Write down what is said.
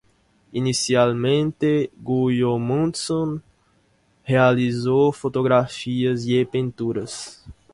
Inicialmente Guðmundsson realizó fotografías y pinturas.